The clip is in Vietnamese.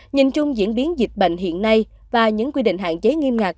nhìn chung diễn biến dịch bệnh hiện nay và những quy định hạn chế nghiêm ngặt